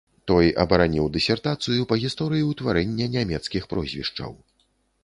Той абараніў дысертацыю па гісторыі ўтварэння нямецкіх прозвішчаў.